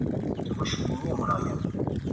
خوشبینی ملایم